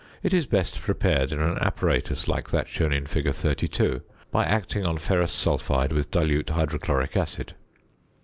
It is best prepared in an apparatus like that shown in fig. 32, by acting on ferrous sulphide with dilute hydrochloric acid.